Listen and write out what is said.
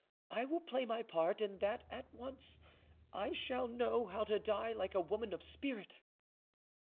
I will play my part, and that at once: I shall know how to die like a woman of spirit."